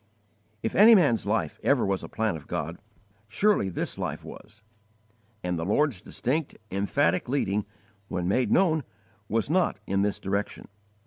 If any man's life ever was a plan of God, surely this life was; and the Lord's distinct, emphatic leading, when made known, was not in this direction.